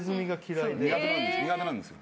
苦手なんですよ。